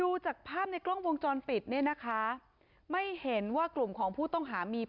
ตอนนี้กำลังจะโดดเนี่ยตอนนี้กำลังจะโดดเนี่ย